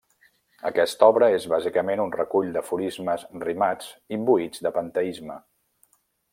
Aquesta obra és bàsicament un recull d'aforismes rimats imbuïts de panteisme.